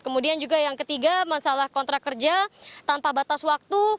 kemudian juga yang ketiga masalah kontrak kerja tanpa batas waktu